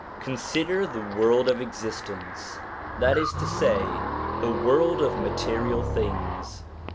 Consider the world of existence, that is to say, the world of material things.